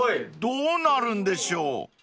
［どうなるんでしょう？］